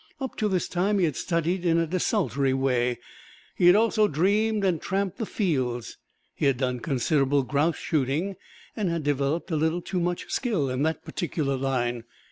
Up to this time he had studied in a desultory way; he had also dreamed and tramped the fields. He had done considerable grouse shooting and had developed a little too much skill in that particular line.